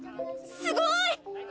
すごい！